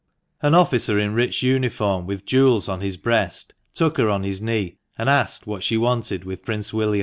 An officer in rich uniform, with jewels on his breast, took her on his knee, and asked what she wanted with Prince William.